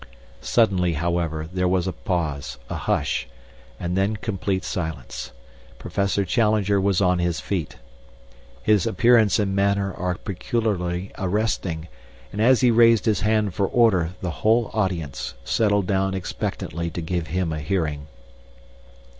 Suddenly, however, there was a pause, a hush, and then complete silence. Professor Challenger was on his feet. His appearance and manner are peculiarly arresting, and as he raised his hand for order the whole audience settled down expectantly to give him a hearing.